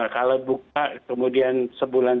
kalau buka kemudian sebulan